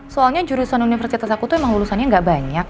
soalnya jurusan universitas aku tuh emang lulusannya nggak banyak